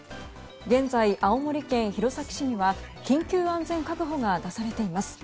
現在、青森県弘前市には緊急安全確保が出されています。